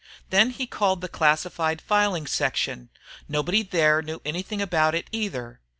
Then he called the classified filing section; nobody there knew anything about it either.